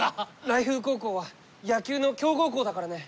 来風高校は野球の強豪校だからね。